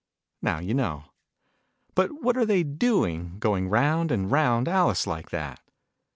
Now you know. " But what arc they doing, going round and round Alice like that